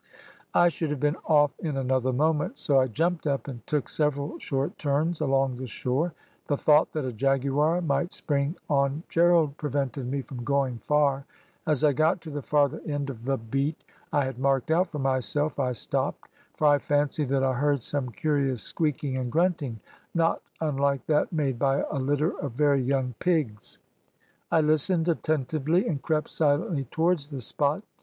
I should have been off in another moment, so I jumped up and took several short turns along the shore. The thought that a jaguar might spring on Gerald prevented me from going far. As I got to the farther end of the beat I had marked out for myself I stopped, for I fancied that I heard some curious squeaking and grunting, not unlike that made by a litter of very young pigs. I listened attentively, and crept silently towards the spot.